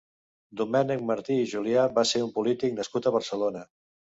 Domènec Martí i Julià va ser un polític nascut a Barcelona.